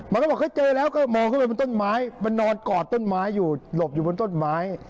เขาบอกเขาเจอแล้วก็มองเข้าไปบนต้นไม้มันนอนกอดต้นไม้อยู่หลบอยู่บนต้นไม้